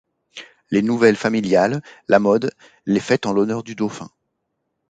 Les nouvelles familiales, la mode, les fêtes en l'honneur du Dauphin...